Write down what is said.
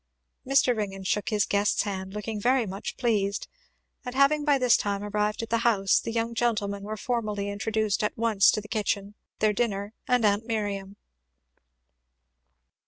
Mr. Ringgan shook his guest's hand, looking very much pleased; and having by this time arrived at the house the young gentlemen were formally introduced at once to the kitchen, their dinner, and aunt Miriam.